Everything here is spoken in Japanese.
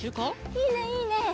いいねいいね。